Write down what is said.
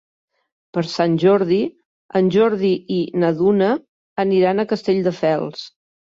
Per Sant Jordi en Jordi i na Duna aniran a Castelldefels.